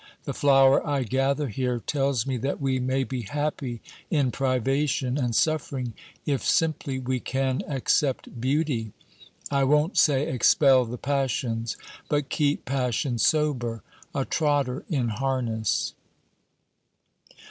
The flower I gather here tells me that we may be happy in privation and suffering if simply we can accept beauty. I won't say expel the passions, but keep passion sober, a trotter in harness.'